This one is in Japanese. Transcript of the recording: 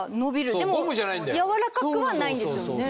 でもやわらかくはないんですよね。